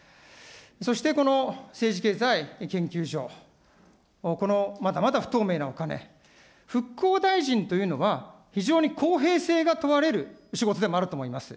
そしてこの政治経済研究所、このまだまだ不透明なお金、復興大臣というのは、非常に公平性が問われる仕事でもあると思います。